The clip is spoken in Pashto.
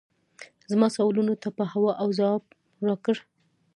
زما سوالونو ته په هو او یا ځواب راکړه